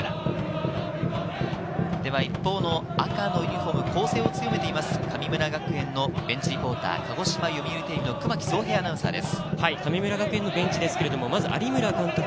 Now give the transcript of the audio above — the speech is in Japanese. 一方の赤のユニホーム、攻勢を強めている神村学園のベンチリポート、鹿児島読売テレビ、熊木創平アナウンサーです。